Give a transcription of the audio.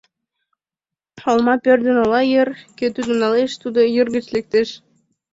— Олма пӧрдын ола йыр, кӧ тудым налеш, тудо йыр гыч лектеш...